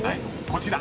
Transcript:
こちら。